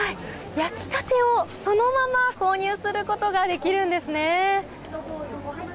焼きたてをそのまま購入することができるんですね。